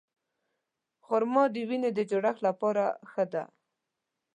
خرما د وینې د جوړښت لپاره ښه ده.